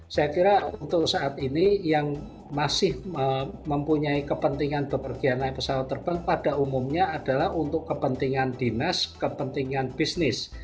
saya kira untuk saat ini yang masih mempunyai kepentingan bepergian naik pesawat terbang pada umumnya adalah untuk kepentingan dinas kepentingan bisnis